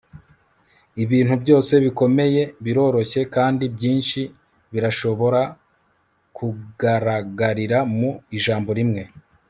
ibintu byose bikomeye biroroshye, kandi byinshi birashobora kugaragarira mu ijambo rimwe